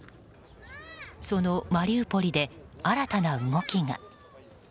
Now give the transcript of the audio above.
そのマリウポリで新たな動きが。